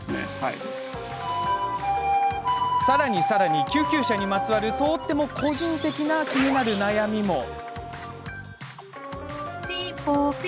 さらには、救急車にまつわるとっても個人的な気になる悩みも。